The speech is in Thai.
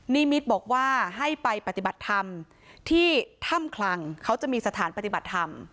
นิมิตรบอกว่าให้ไปปฏิบัติธรรมที่ถ้ำคลังเขาจะมีสถานปฏิบัติธรรม